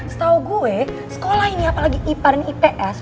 setau gue sekolah ini apalagi ipar dan ips